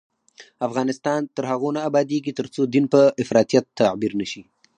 افغانستان تر هغو نه ابادیږي، ترڅو دین په افراطیت تعبیر نشي.